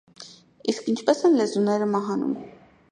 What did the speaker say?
Իսկ ինչպե՞ս են լեզուները մահանում։